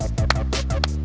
aku gak mau kamu sakit